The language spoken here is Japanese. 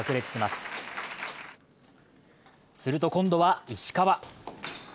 すると、今度は石川。